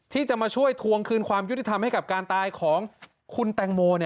ที่จะมาช่วยทวงคืนความยุติธรรมให้กับการตายของคุณแตงโม